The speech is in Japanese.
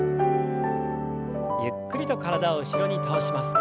ゆっくりと体を後ろに倒します。